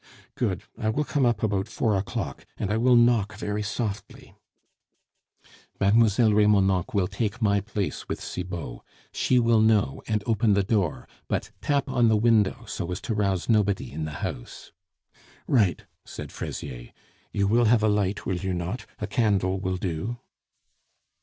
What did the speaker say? "Good. I will come up about four o'clock, and I will knock very softly " "Mlle Remonencq will take my place with Cibot. She will know, and open the door; but tap on the window, so as to rouse nobody in the house." "Right," said Fraisier. "You will have a light, will you not. A candle will do."